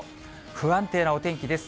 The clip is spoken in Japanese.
不安定なお天気です。